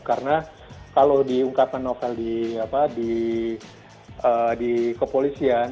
karena kalau diungkapkan novel di kepolisian